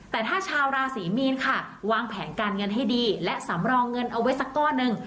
แต่ถ้าชาวราศรีมีนค่ะวางแผนการเงินให้ดีและสำรองเงินเอาไว้สักก้อนหนึ่ง